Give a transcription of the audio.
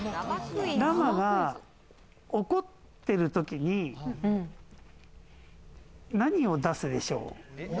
ラマが怒ってる時に何を出すでしょう？